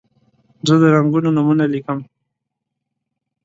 زه د رنګونو نومونه لیکم.